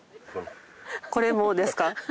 これもですか？